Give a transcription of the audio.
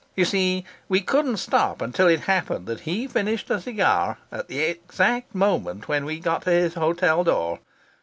You see, we couldn't stop until it happened that he finished a cigar at the exact moment when we got to his hotel door.